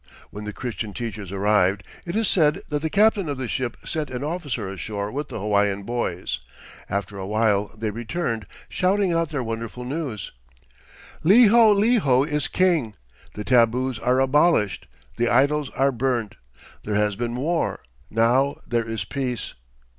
When the Christian teachers arrived, it is said that the captain of the ship sent an officer ashore with the Hawaiian boys. After awhile they returned, shouting out their wonderful news: "Liholiho is king. The tabus are abolished. The idols are burnt. There has been war. Now there is peace."